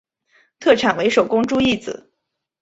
特产为手工猪胰子。